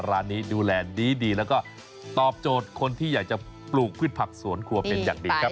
ร้านนี้ดูแลดีแล้วก็ตอบโจทย์คนที่อยากจะปลูกพืชผักสวนครัวเป็นอย่างดีครับ